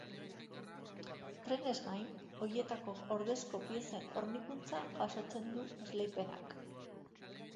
Trenez gain, horietarako ordezko piezen hornikuntza jasotzen du esleipenak.